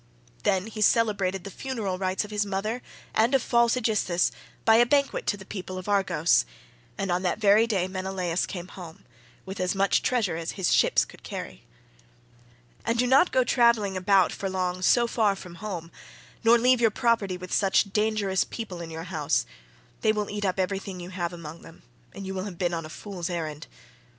Then he celebrated the funeral rites of his mother and of false Aegisthus by a banquet to the people of Argos, and on that very day Menelaus came home,31 with as much treasure as his ships could carry. "Take my advice then, and do not go travelling about for long so far from home, nor leave your property with such dangerous people in your house; they will eat up everything you have among them, and you will have been on a fool's errand.